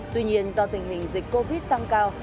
tuy nhiên do tình hình dịch covid tăng cao